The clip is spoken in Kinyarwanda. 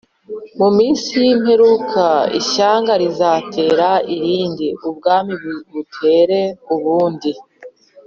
Mu minsi y’imperuka ishyanga rizatera irindi ubwami butere ubundi